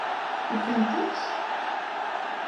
Ufant-tt?